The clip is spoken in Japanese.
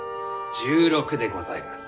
１６でございます。